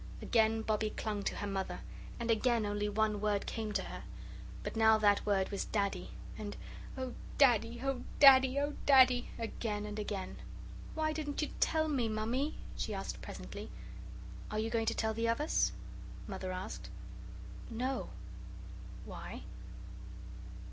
Again Bobbie clung to her Mother, and again only one word came to her, but now that word was "Daddy," and "Oh, Daddy, oh, Daddy, oh, Daddy!" again and again. "Why didn't you tell me, Mammy?" she asked presently. "Are you going to tell the others?" Mother asked. "No." "Why?"